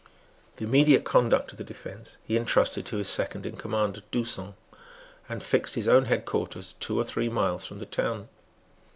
The immediate conduct of the defence he entrusted to his second in command, D'Usson, and fixed his own head quarters two or three miles from the town.